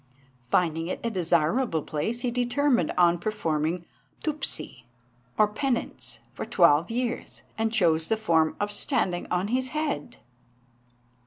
Finding it a desirable place, he determined on performing Tupseeah, or penance, for twelve years, and chose the form of standing on his head.